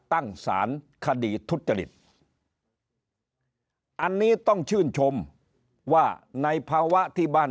ตั้งสารคดีทุจริตอันนี้ต้องชื่นชมว่าในภาวะที่บ้าน